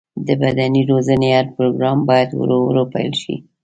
د بدني روزنې هر پروګرام باید ورو ورو پیل شي.